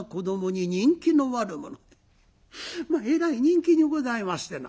「えらい人気にございましてな。